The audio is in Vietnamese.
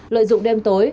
lợi dụng đêm tối